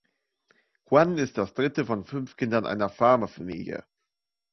Quan ist das dritte von fünf Kindern einer Farmerfamilie.